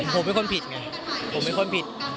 ผมเป็นคนผิดไงผมเป็นคนผิด